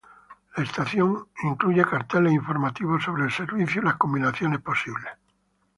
La estación incluye carteles informativos sobre el servicio y la combinaciones posibles.